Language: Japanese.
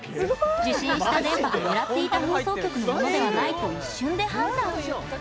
受信した電波が狙っていた放送局のものではないと一瞬で判断。